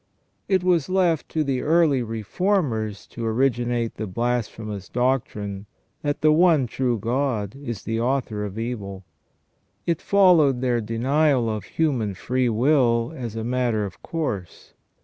It was left to the early Reformers to origi nate the blasphemous doctrine that the One True God is the author of evil. It followed their denial of human free will as a matter of course.